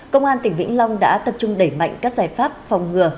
công an tỉnh vĩnh long đã tập trung đẩy mạnh các giải pháp phòng ngừa